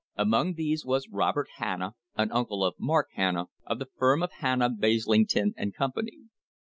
Among these was Robert Hanna, an uncle of Mark Hanna, of the firm of Hanna, Baslington and Company.